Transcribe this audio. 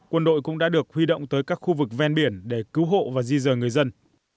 quân đội cũng đã được huy động tới các khu vực ven biển để cứu hộ và di dời người dân